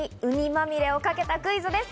まみれをかけたクイズです。